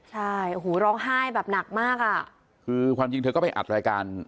ใช่โอ้โหร้องไห้แบบหนักมากอ่ะคือความจริงเธอก็ไปอัดรายการ